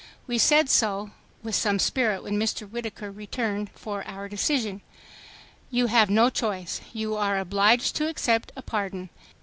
We said so with some spirit when Mr. Whittaker returned for our decision. "You have no choice. You are obliged to accept a pardon."